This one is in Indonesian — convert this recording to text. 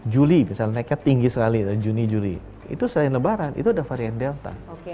juli misalnya naiknya tinggi sekali juni juli itu selain lebaran itu ada varian delta